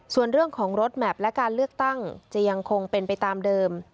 ส่วนเรื่องของรถแมพและการเลือกตั้งจะยังคงเป็นไปตามเดิม